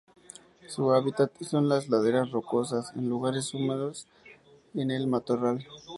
Su hábitat son las laderas rocosas, en lugares húmedos en el matorral.